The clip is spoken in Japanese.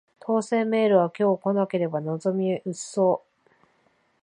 当せんメールは今日来なければ望み薄そう